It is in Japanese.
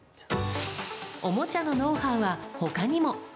おもちゃのノウハウはほかにも。